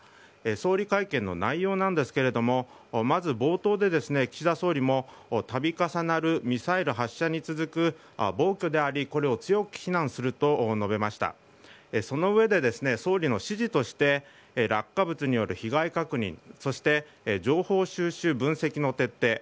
総理会見の内容なんですけれどもまず冒頭で、岸田総理も度重なるミサイル発射に続く暴挙でありこれを強く非難すると述べましたその上で、総理の指示として落下物による被害確認そして情報収集、分析の徹底。